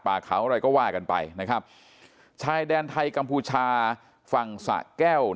เขาอะไรก็ว่ากันไปนะครับชายแดนไทยกัมพูชาฝั่งสะแก้ว